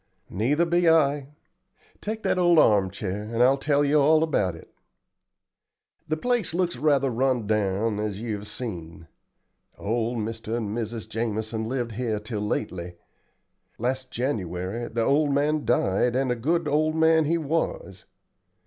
"Neither be I. Take that old arm chair, and I'll tell you all about it. The place looks rather run down, as you have seen. Old Mr. and Mrs. Jamison lived here till lately. Last January the old man died, and a good old man he was.